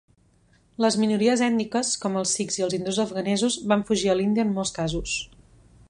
Les minories ètniques, com els sikhs i els hindús afganesos, van fugir a l'Índia en molts casos.